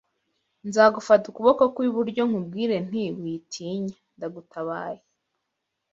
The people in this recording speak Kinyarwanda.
nzagufata ukuboko kw’iburyo, nkubwire nti: ‘Witinya, ndagutabaye